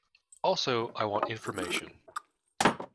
Also, I want information.